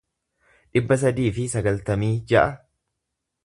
dhibba sadii fi sagaltamii ja'a